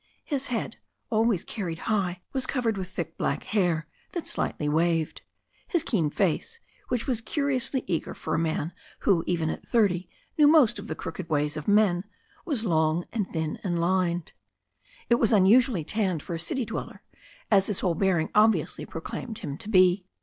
His head, always carried high, was covered with thick black hair that slightly waved. His keen face, which was curiously eager for a man who even at thirty knew most of the crooked ways of, men, was long and thin and lined It was unusually tanned for a city dweller, as his whole bear ing obviously proclaimed him to be.